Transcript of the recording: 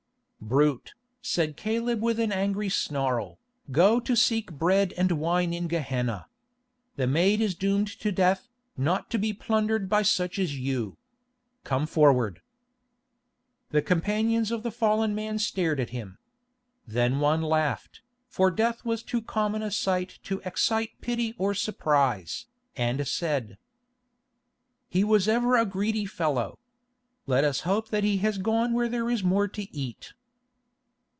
"Brute," said Caleb with an angry snarl, "go to seek bread and wine in Gehenna. The maid is doomed to death, not to be plundered by such as you. Come forward." The companions of the fallen man stared at him. Then one laughed, for death was too common a sight to excite pity or surprise, and said: "He was ever a greedy fellow. Let us hope that he has gone where there is more to eat."